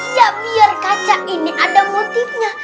siap biar kaca ini ada motifnya